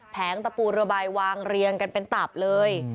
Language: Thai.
แงตะปูเรือใบวางเรียงกันเป็นตับเลย